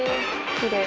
きれい。